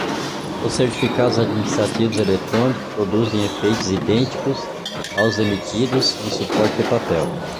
Os certificados administrativos eletrônicos produzem efeitos idênticos aos emitidos em suporte de papel.